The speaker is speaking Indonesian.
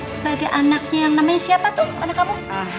sebagai anaknya yang namanya siapa tuh anak kamu